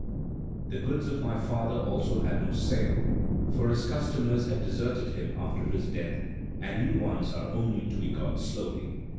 The goods of my father also had no sale, for his customers had deserted him after his death, and new ones are only to be got slowly.